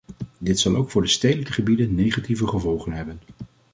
Dit zal ook voor de stedelijke gebieden negatieve gevolgen hebben.